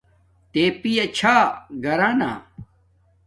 تے پیا چھا گھرانا